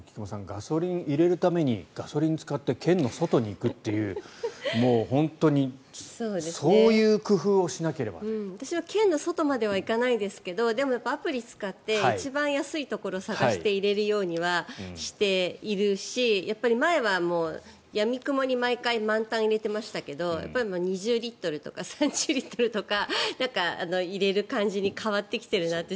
ガソリン入れるためにガソリンを使って県の外に行くというもう本当に私は県の外までは行かないですけどでもアプリを使って一番安いところを探して入れるようにはしているし前はやみくもに毎回満タンに入れてましたけど２０リットルとか３０リットルとか入れる感じに変わってきてるなって